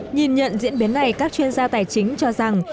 nhìn nhận diễn biến này các chuyên gia tài chính cho rằng